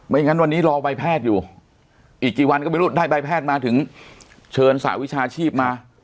อย่างนั้นวันนี้รอใบแพทย์อยู่อีกกี่วันก็ไม่รู้ได้ใบแพทย์มาถึงเชิญสหวิชาชีพมา